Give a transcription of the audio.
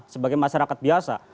sebagai masyarakat biasa